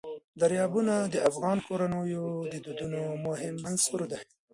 دریابونه د افغان کورنیو د دودونو مهم عنصر دی.